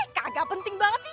kaga penting banget sih